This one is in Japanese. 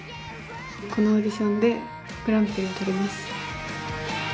このオーディションでグランプリをとります